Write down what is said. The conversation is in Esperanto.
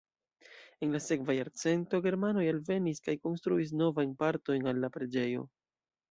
En la sekva jarcento germanoj alvenis kaj konstruis novajn partojn al la preĝejo.